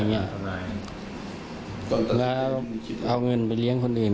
ปกติแล้วเอาเงินไปเลี้ยงคนอื่น